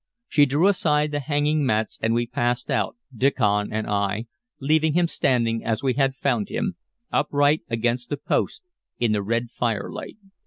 She drew aside the hanging mats, and we passed out, Diccon and I, leaving him standing as we had found him, upright against the post, in the red firelight.